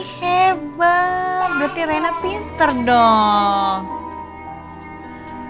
hebat berarti reina pinter dong